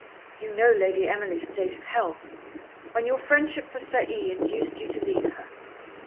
You know Lady Emily's state of health, when your friendship for Sir E. induced you to leave her.